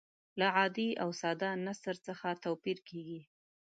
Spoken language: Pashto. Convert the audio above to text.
له عادي او ساده نثر څخه توپیر کیږي.